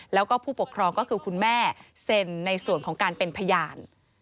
แล้วก็ผู้ปกครองก็คือคุณแม่เซ็นในส่วนของการเป็นพยาน